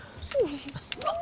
うわっ！